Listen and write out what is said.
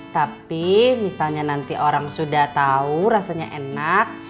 tapi misalnya nanti orang sudah tahu rasanya enak